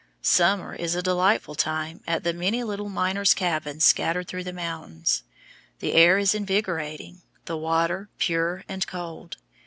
Summer is a delightful time at the many little miners' cabins scattered through the mountains. The air is invigorating, the water pure and cold.